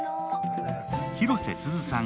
広瀬すずさん